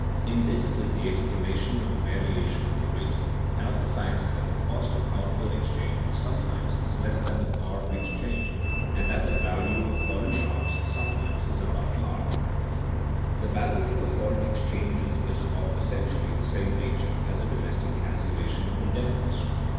In this is the explanation of the variation of the rate, and of the facts that the cost of outward exchange sometimes is less than the par of exchange and that the value of foreign drafts sometimes is above par. [Sidenote: Variation about par of exchange] The balancing of foreign exchanges is of essentially the same nature as the domestic cancelation of indebtedness.